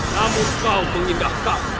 namun kau mengindahkan